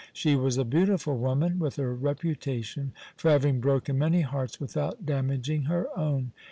She was a beautiful woman, with a reputation for having broken many hearts without damaging her own.